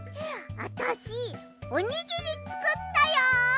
あたしおにぎりつくったよ！